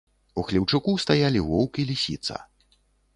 У хлеўчуку стаялі воўк і лісіца.